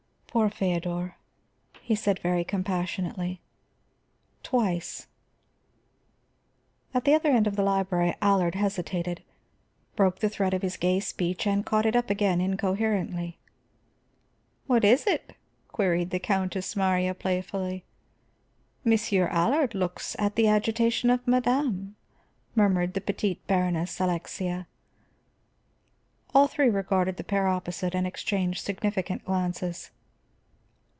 "Poor Feodor," he said very compassionately. "Twice." At the other end of the library Allard hesitated, broke the thread of his gay speech, and caught it up again incoherently. "What is it?" queried the Countess Marya playfully. "Monsieur Allard looks at the agitation of madame," murmured the petite Baroness Alexia. All three regarded the pair opposite, and exchanged significant glances.